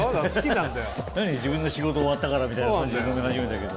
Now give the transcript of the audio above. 自分の仕事終わったからみたいな感じで飲み始めたけど。